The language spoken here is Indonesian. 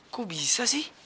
kok bisa sih